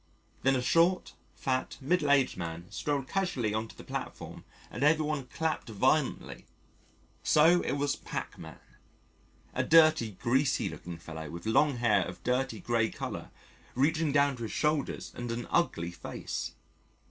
Then a short, fat, middle aged man strolled casually on to the platform and everyone clapped violently so it was Pachmann: a dirty greasy looking fellow with long hair of dirty grey colour, reaching down to his shoulders and an ugly face.